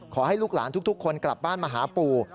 ขอให้ลูกหลานทุกคนกลับบ้านมาหาปู่